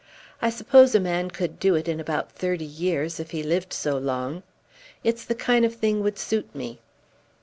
I suppose a man could do it in about thirty years if he lived so long. It's the kind of thing would suit me."